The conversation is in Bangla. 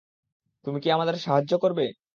তুমি কি আমাদের সাহায্য করবে?